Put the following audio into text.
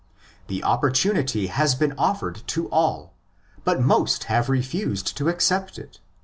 The opportunity has been offered to all, but most have refused to accept it (xi.